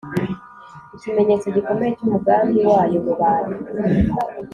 ikimenyetso gikomeye cy’umugambi wayo mu bantu